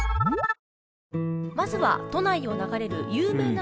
まずは都内を流れる有名な川がこちら。